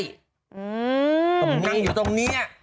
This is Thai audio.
อรับนั่งอยู่ตรงเนี่ย